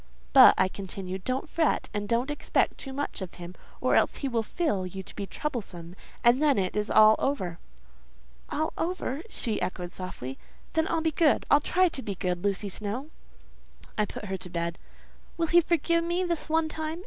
"But," I continued, "don't fret, and don't expect too much of him, or else he will feel you to be troublesome, and then it is all over." "All over!" she echoed softly; "then I'll be good. I'll try to be good, Lucy Snowe." I put her to bed. "Will he forgive me this one time?"